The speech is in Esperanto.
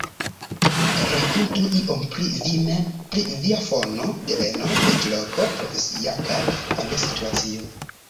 Rakontu iom pri vi mem pri via fono, deveno, loĝloko, profesia kaj familia situacio.